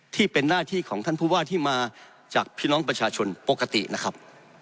ที่เป็นหน้าที่ของท่านผู้ว่าที่มาจากพี่น้องประชาชนปกตินะครับ